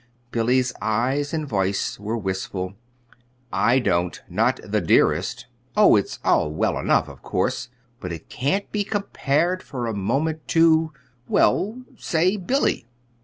Billy's eyes and voice were wistful. "I don't not the dearest. Oh, it's all well enough, of course, but it can't be compared for a moment to well, say, 'Billy'!"